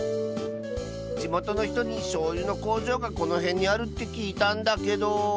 じもとのひとにしょうゆのこうじょうがこのへんにあるってきいたんだけど。